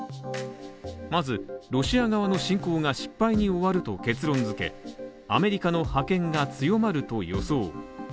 まず、ロシア側の侵攻が失敗に終わると結論づけアメリカの覇権が強まると予想。